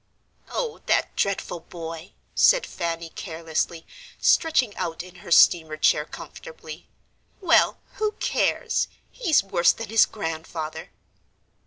"Oh, that dreadful boy," said Fanny, carelessly, stretching out in her steamer chair comfortably; "well, who cares? he's worse than his Grandfather."